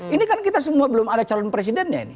ini kan kita semua belum ada calon presidennya ini